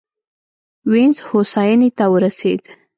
وینز هوساینې ته ورسېد.